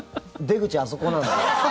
出口、あそこなんで。